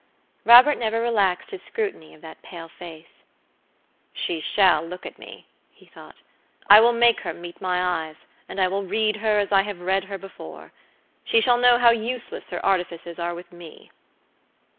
Robert never relaxed his scrutiny of that pale face. "She shall look at me," he thought; "I will make her meet my eyes, and I will read her as I have read her before. She shall know how useless her artifices are with me."